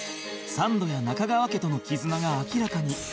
サンドや中川家との絆が明らかに